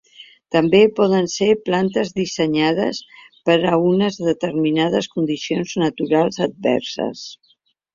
També poden ser plantes dissenyades per a unes determinades condicions naturals adverses.